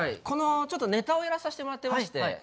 このちょっとネタをやらさしてもらってまして。